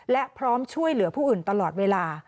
และพร้อมช่วยเหลือผู้อื่นตลอดเวลา